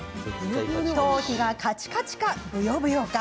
頭皮が、カチカチかブヨブヨか。